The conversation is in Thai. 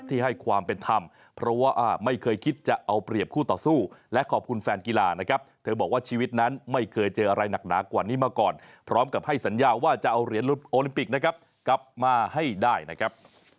ให้ความเป็นธรรมเพราะว่าไม่เคยคิดจะเอาเปรียบคู่ต่อสู้และขอบคุณแฟนกีฬานะครับเธอบอกว่าชีวิตนั้นไม่เคยเจออะไรหนักหนากว่านี้มาก่อนพร้อมกับให้สัญญาว่าจะเอาเหรียญรุ่นโอลิมปิกนะครับกลับมาให้ได้นะครับ